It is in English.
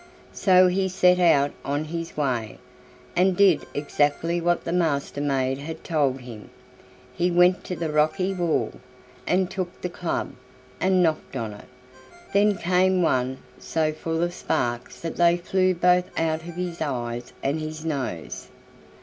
So he set out on his way, and did exactly what the Master maid had told him. He went to the rocky wall, and took the club, and knocked on it. Then came one so full of sparks that they flew both out of his eyes and his nose.